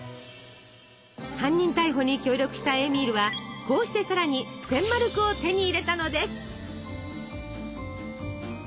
犯人逮捕に協力したエーミールはこうしてさらに１，０００マルクを手に入れたのです。